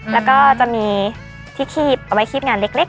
แล้วก็จะมีที่คีบเอาไว้คีบงานเล็ก